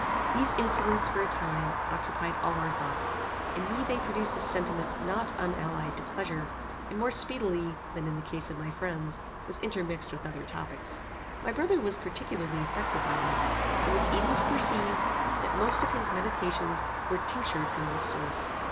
These incidents, for a time, occupied all our thoughts. In me they produced a sentiment not unallied to pleasure, and more speedily than in the case of my friends were intermixed with other topics. My brother was particularly affected by them. It was easy to perceive that most of his meditations were tinctured from this source.